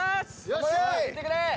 よっしゃ。いってくれ。